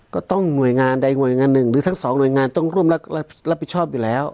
หน่วยงานใดหน่วยงานหนึ่งหรือทั้งสองหน่วยงานต้องร่วมรับผิดชอบอยู่แล้ว